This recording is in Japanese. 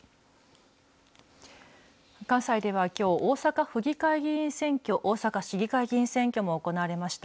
関西ではきょう、大阪府議会議員選挙、大阪市議会議員選挙も行われました。